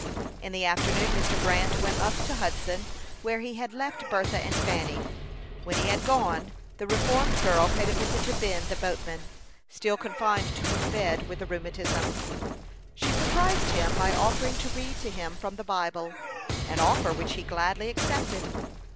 In the afternoon Mr. Grant went up to Hudson, where he had left Bertha and Fanny. When he had gone, the reformed girl paid a visit to Ben the boatman, still confined to his bed with the rheumatism. She surprised him by offering to read to him from the Bible an offer which he gladly accepted.